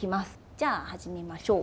じゃあ始めましょう。